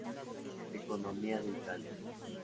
Economía de Italia